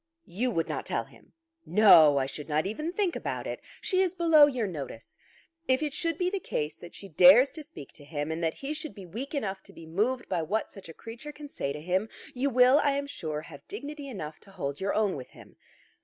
"You would not tell him?" "No; I should not even think about it. She is below your notice. If it should be the case that she dares to speak to him, and that he should be weak enough to be moved by what such a creature can say to him, you will, I am sure, have dignity enough to hold your own with him.